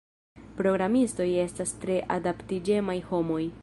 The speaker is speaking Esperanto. Programistoj estas tre adaptiĝemaj homoj.